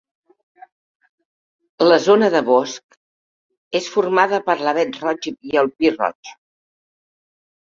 La zona de bosc és formada per l'avet roig i el pi roig.